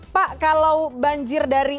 pak kalau banjir dari